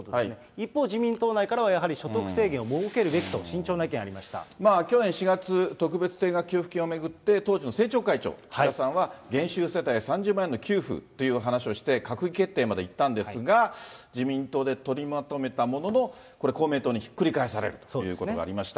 一方、自民党内からはやはり所得制限を設けるべきと、慎重な意見、まあ、去年４月、特別定額給付金を巡って当時の政調会長、岸田さんは、減収世帯へ３０万円給付っていう話をして、閣議決定までいったんですが、自民党で取りまとめたものの、これ、公明党にひっくり返されるということがありました。